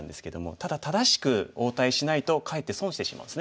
ただ正しく応対しないとかえって損してしまうんですね